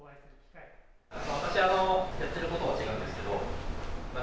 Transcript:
私、あのやってることは違うんですけど。